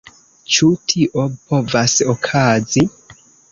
Ĉu tio povas okazi?